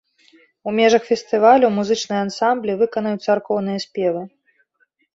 У межах фестывалю музычныя ансамблі выканаюць царкоўныя спевы.